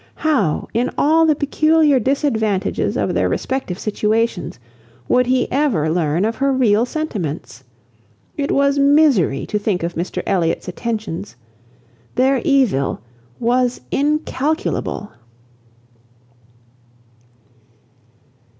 How, in all the peculiar disadvantages of their respective situations, would he ever learn of her real sentiments? It was misery to think of Mr Elliot's attentions. Their evil was incalculable.